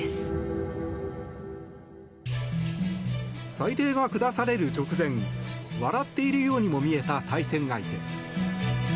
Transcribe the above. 裁定が下される直前笑っているようにも見えた対戦相手。